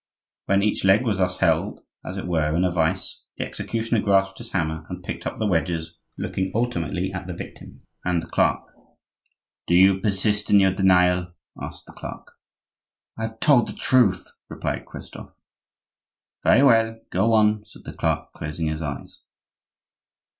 When each leg was thus held as it were in a vice, the executioner grasped his hammer and picked up the wedges, looking alternately at the victim and at the clerk. "Do you persist in your denial?" asked the clerk. "I have told the truth," replied Christophe. "Very well. Go on," said the clerk, closing his eyes.